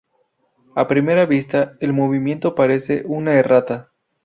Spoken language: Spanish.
A primera vista, el movimiento parece una errata.